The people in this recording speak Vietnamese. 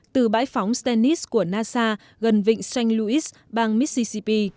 từ bãi phóng stennis của nasa gần vịnh st louis bang mississippi